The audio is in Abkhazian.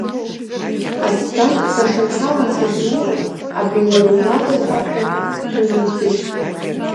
Аҭӡамц сахьынҳалан сахьнеиуаз абри уара ууада сақәшәан, сҽыҩнасыжьт.